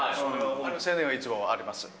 宣伝はいつもあります。